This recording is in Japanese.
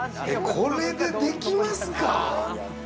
これでできますか？